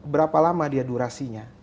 berapa lama dia durasinya